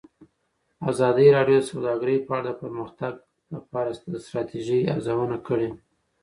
ازادي راډیو د سوداګري په اړه د پرمختګ لپاره د ستراتیژۍ ارزونه کړې.